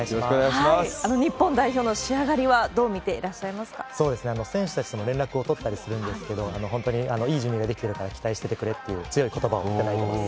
日本代表の仕上がりはどう見そうですね、選手たちとも連絡を取ったりするんですけれども、本当にいい準備ができてるから、期待しててくれっていう、強いことばをいただいています。